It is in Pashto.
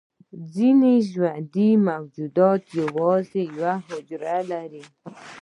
ځینې ژوندي موجودات یوازې یوه حجره لري